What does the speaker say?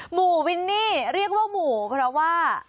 หมู่วินนี่เรียกว่าหมู่เพราะว่า